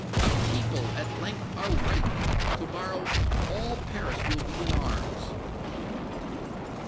The people, at length, are ripe! To morrow all Paris will be in arms!"